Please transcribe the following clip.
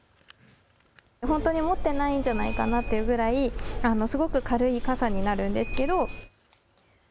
持ってないんじゃないかなっていうぐらいすごく軽い傘になるんですが。